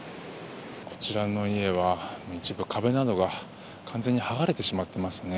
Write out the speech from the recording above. こちらの家は、一部壁などが完全にはがれてしまってますね。